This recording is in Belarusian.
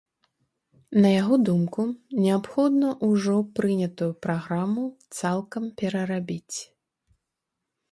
На яго думку, неабходна ўжо прынятую праграму цалкам перарабіць.